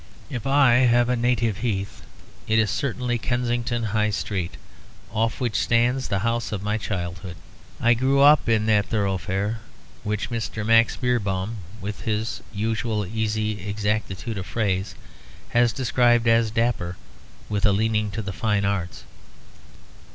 If I have a native heath it is certainly Kensington High Street, off which stands the house of my childhood. I grew up in that thorough fare which Mr. Max Beerbohm, with his usual easy exactitude of phrase, has described as "dapper, with a leaning to the fine arts."